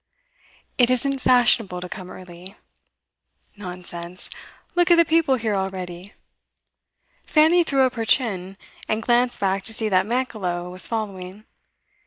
'It isn't fashionable to come early.' 'Nonsense! Look at the people here already.' Fanny threw up her chin, and glanced back to see that Mankelow was following.